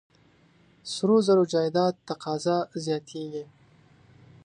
سرو زرو جایداد تقاضا زیاتېږي.